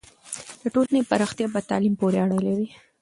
د ټولنې پراختیا په تعلیم پورې اړه لري.